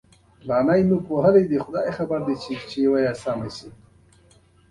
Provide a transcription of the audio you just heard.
پښتون دې ټول په واویلا شو.